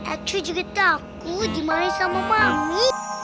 aku juga takut dimain sama mami